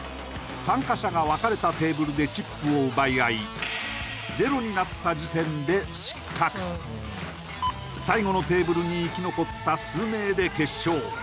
参加者が分かれたテーブルでチップを奪い合いゼロになった時点で失格最後のテーブルに生き残った数名で決勝